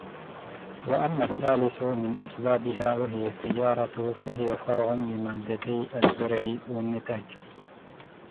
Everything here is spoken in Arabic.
وَأَمَّا الثَّالِثُ مِنْ أَسْبَابِهَا وَهِيَ التِّجَارَةُ فَهِيَ فَرْعٌ لِمَادَّتَيْ الزَّرْعِ وَالنِّتَاجِ